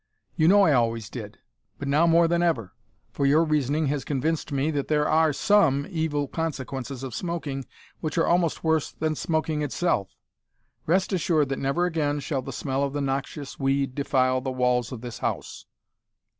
You know I always did, but now more than ever, for your reasoning has convinced me that there are some evil consequences of smoking which are almost worse than smoking itself! Rest assured that never again shall the smell of the noxious weed defile the walls of this house.'